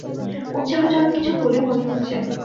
উৎসাহজনক কিছু বলে মনে হচ্ছে।